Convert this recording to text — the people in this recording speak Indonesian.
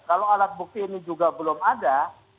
kalau alat bukti ini juga belum ada